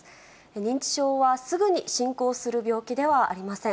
認知症はすぐに進行する病気ではありません。